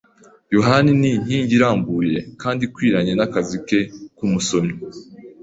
yohani ni inkingi irambuye kandi ikwiranye nakazi ke nkumusomyi.